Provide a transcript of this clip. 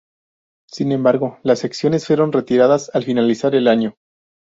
Sin embargo, las secciones fueron retiradas al finalizar el año.